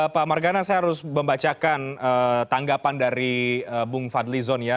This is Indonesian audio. pak margana saya harus membacakan tanggapan dari bung fadlizon ya